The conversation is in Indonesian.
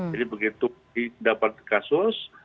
jadi begitu kita dapat kasus